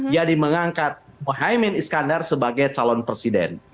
jadi mengangkat muhammad iskandar sebagai calon presiden